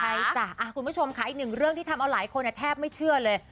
ใช่จ้ะคุณผู้ชมค่ะอีกหนึ่งเรื่องที่ทำเอาหลายคนแทบไม่เชื่อเลย